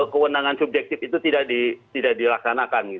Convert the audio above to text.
kewenangan subjektif itu tidak dilaksanakan